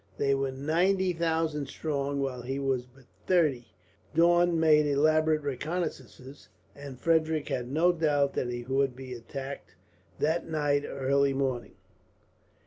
They were ninety thousand strong, while he was but thirty. Daun made elaborate reconnaissances, and Frederick had no doubt that he would be attacked, that night or early the next morning.